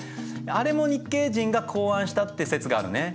あれも日系人が考案したって説があるね。